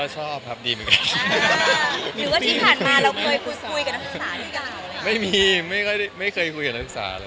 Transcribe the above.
ชอบไหมนักศึกษา